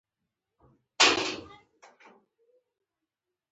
آیا د پوستکي سوداګري اروپا ته پراخه نشوه؟